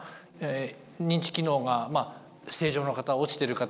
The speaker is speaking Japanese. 認知機能が正常の方落ちてる方